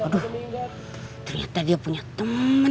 ternyata dia punya temen